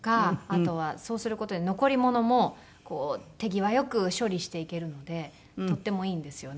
あとはそうする事で残りものも手際よく処理していけるのでとってもいいんですよね。